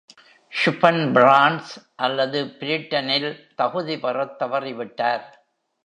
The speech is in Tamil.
ஷூப்பன் பிரான்ஸ் அல்லது பிரிட்டனில் தகுதி பெறத் தவறிவிட்டார்.